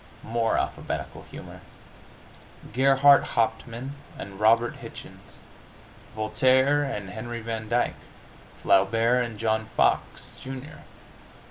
More alphabetical humor. Gerhart Hauptmann and Robert Hichens; Voltaire and Henry Van Dyke; Flaubert and John Fox, Jr.